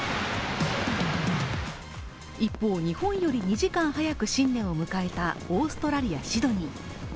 一方、日本より２時間早く新年を迎えたオーストラリア・シドニー。